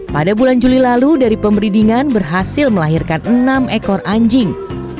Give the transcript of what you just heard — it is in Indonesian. pada bulan juli lalu dari pemberidingan berhasil melahirkan enam ekor anjing